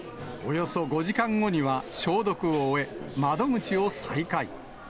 およそ５時間後には消毒を終え、窓口を再開。